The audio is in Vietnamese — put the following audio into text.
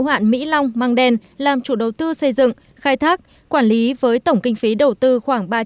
hạn mỹ long mang đen làm chủ đầu tư xây dựng khai thác quản lý với tổng kinh phí đầu tư khoảng